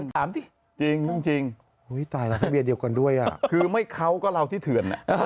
คือก่อนรู้สึกเป็นใกะกับเพื่อน